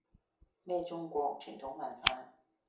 咩中國傳統文化